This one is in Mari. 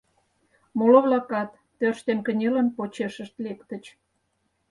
Моло-влакат, тӧрштен кынелын, почешышт лектыч.